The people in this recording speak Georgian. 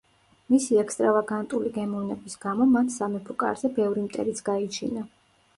მისი ექსტრავაგანტული გემოვნების გამო მან სამეფო კარზე ბევრი მტერიც გაიჩინა.